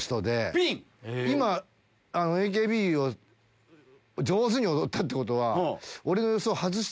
今ＡＫＢを上手に踊ったってことは。